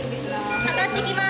あがってきます。